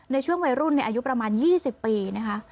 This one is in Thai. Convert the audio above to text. ในช่วงวัยรุ่นอายุประมาณ๒๐ปีนะคะ